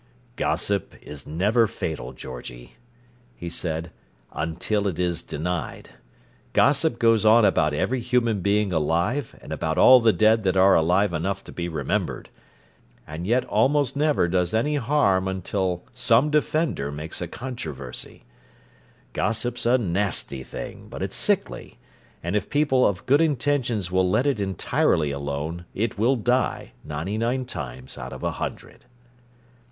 "Gossip is never fatal, Georgie," he said, "until it is denied. Gossip goes on about every human being alive and about all the dead that are alive enough to be remembered, and yet almost never does any harm until some defender makes a controversy. Gossip's a nasty thing, but it's sickly, and if people of good intentions will let it entirely alone, it will die, ninety nine times out of a hundred."